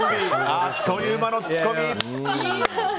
あっという間のツッコミ！